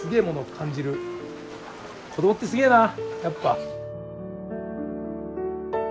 子どもってすげえなやっぱ。